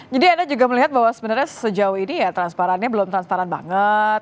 jadi anda juga melihat bahwa sebenarnya sejauh ini transparannya belum transparan banget